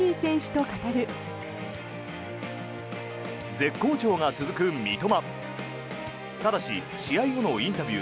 絶好調が続く三笘。